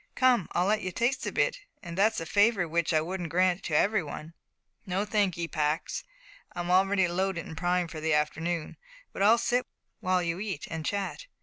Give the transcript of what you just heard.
Come, I'll let you taste a bit, an' that's a favour w'ich I wouldn't grant to every one." "No, thank 'ee, Pax. I'm already loaded and primed for the forenoon, but I'll sit by you while you eat, and chat."